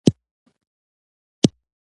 زه اوس کار کی یم